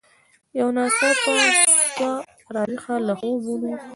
یو ناڅاپه سوه را ویښه له خوبونو